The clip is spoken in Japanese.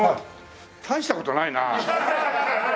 大した事ないな。